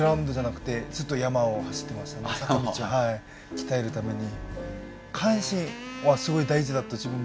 鍛えるために。